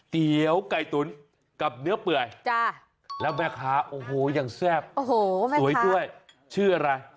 เตี๋ยวไก่ตุ๋นกับเนื้อเปื่อยแล้วแม่ค้าโอ้โหยังแซ่บโอ้โหสวยด้วยชื่ออะไร